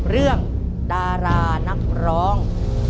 เรื่องดารานักร้อง